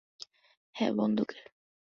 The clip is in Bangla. হ্যাঁ, বন্দুকের।